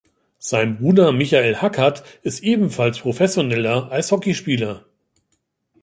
Sein Bruder Michael Hackert ist ebenfalls professioneller Eishockeyspieler.